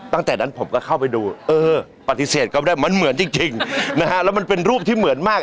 ตั้งแต่นั้นผมก็เข้าไปดูเออปฏิเสธก็ได้มันเหมือนจริงนะฮะแล้วมันเป็นรูปที่เหมือนมาก